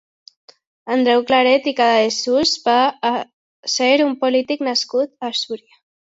Andreu Claret i Casadessús va ser un polític nascut a Súria.